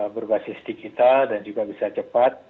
berbasis digital dan juga bisa cepat